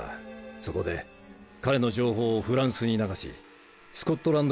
そこで彼の情報をフランスに流しスコットランドヤードの。